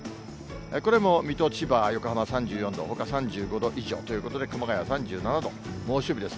これも水戸、千葉、横浜３４度、ほか３５度以上ということで、熊谷３７度、猛暑日です。